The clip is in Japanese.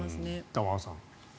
玉川さん。